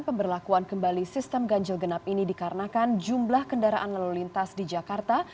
pemberlakuan kembali sistem ganjil genap ini dikarenakan jumlah kendaraan lalu lintas di jakarta